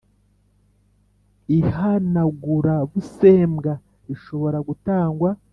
Ihanagurabusembwa rishobora gutangwa